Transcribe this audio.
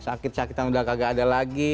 sakit sakitan udah kagak ada lagi